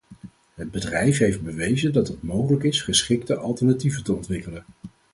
Het bedrijf heeft bewezen dat het mogelijk is, geschikte alternatieven te ontwikkelen.